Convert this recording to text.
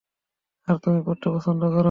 আর তুমি পড়তে পছন্দ করো।